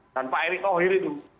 dan pak erick thohir itu